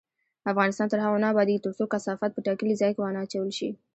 افغانستان تر هغو نه ابادیږي، ترڅو کثافات په ټاکلي ځای کې ونه اچول شي.